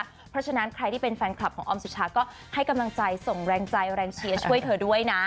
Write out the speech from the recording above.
เพราะฉะนั้นใครที่เป็นแฟนคลับของออมสุชาก็ให้กำลังใจส่งแรงใจแรงเชียร์ช่วยเธอด้วยนะ